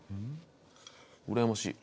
うらやましい。